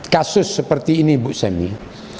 kasus seperti ini bu semmy ini